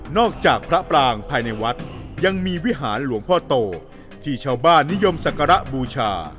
จากพระปรางภายในวัดยังมีวิหารหลวงพ่อโตที่ชาวบ้านนิยมศักระบูชา